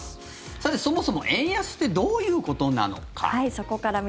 さて、そもそも円安ってどういうことなのか。